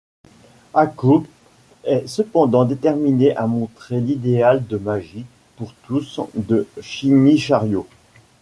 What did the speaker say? Akko est cependant déterminée à montrer l'idéal de magie pour tous de Shiny Chariot.